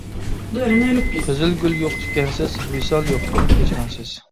قىزىلگۈل يوق تىكەنسىز، ۋىسال يوقتۇر ھىجرانسىز.